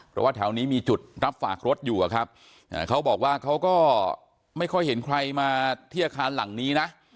เพราะว่าแถวนี้มีจุดรับฝากรถอยู่อะครับเขาบอกว่าเขาก็ไม่ค่อยเห็นใครมาที่อาคารหลังนี้นะ